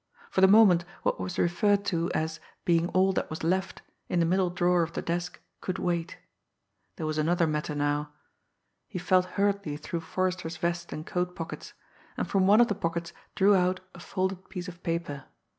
For the moment, what was referred to as "being all that was left" in the middle drawer of the desk could wait. There was another matter now. He felt hurriedly through Forrester's vest and coat pockets and from one of the pockets drew out a folded piece of paper.